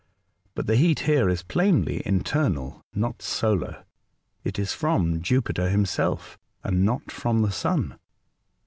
But the heat here is plainly internal, not solar. It is from Jupiter himself, and not from the Sun."